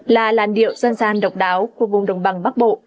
là làn điệu dân gian độc đáo của vùng đồng bằng bắc bộ